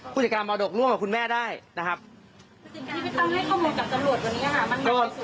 ผู้จัดการมาดกร่วมกับคุณแม่ได้นะครับผู้จัดการไม่ต้องให้ข้อมูลจากสำรวจตรงนี้อ่ะ